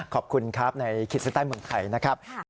ขอบคุณครับในขีดเส้นใต้เมืองไทยนะครับ